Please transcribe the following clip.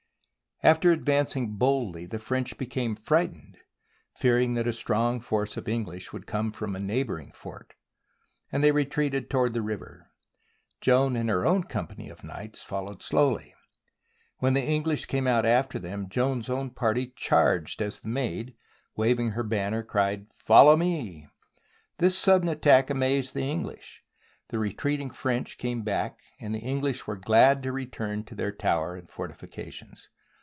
After advancing boldly the French became frightened, fearing that a strong force of English would come from a neighbouring fort, and retreat ed toward the river, Joan and her own company of knights following slowly. When the English came out after them, Joan's own party charged as the Maid, waving her banner, cried 'Follow me!' : This sudden attack amazed the English, the re treating French came back, and the English were glad to return to their tower and fortifications.